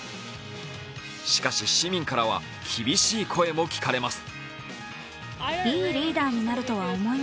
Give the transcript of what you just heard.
しかし、市民からは厳しい声も聞かれます。